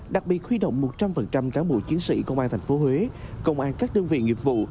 đặc biệt khuy động một trăm linh cán bộ chiến sĩ công an thành phố huế công an các đơn vị nghiệp vụ